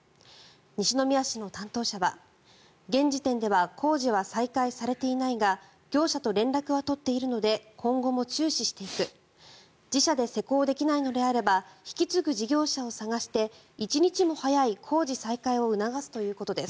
西宮市の担当者は、現時点では工事は再開されていないが業者と連絡は取っているので今後も注視していく自社で施工できないのであれば引き継ぐ事業者を探して一日も早い工事再開を促すということです。